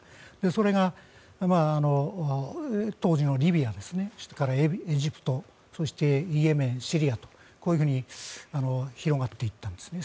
それが、当時のリビア、それからエジプト、イエメン、シリアとこういうふうに広がっていったんですね。